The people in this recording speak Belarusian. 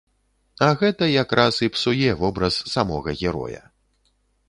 А гэта якраз і псуе вобраз самога героя.